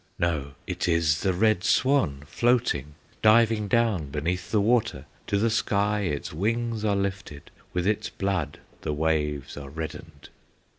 No; it is the Red Swan floating, Diving down beneath the water; To the sky its wings are lifted, With its blood the waves are reddened!